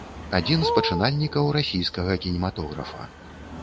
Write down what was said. Адзін з пачынальнікаў расійскага кінематографа.